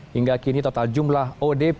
hingga kini total jumlah odp